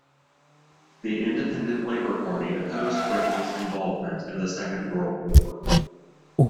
The Independent Labour Party opposed Britain's involvement in the Second World War.